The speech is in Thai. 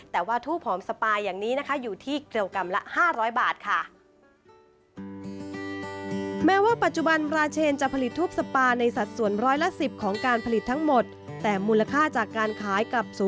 แต่ว่าทูบหอมสปาอย่างนี้นะคะอยู่ที่กิโลกรัมละ๕๐๐บาทค่ะ